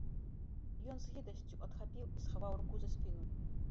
Ён з гідасцю адхапіў і схаваў руку за спіну.